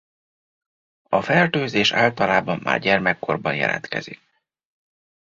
A fertőzés általában már gyermekkorban jelentkezik.